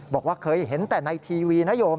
บอกว่าเคยเห็นแต่ในทีวีนโยม